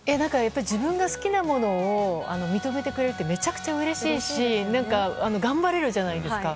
自分が好きなものを認めてくれるってめちゃくちゃうれしいし頑張れるじゃないですか。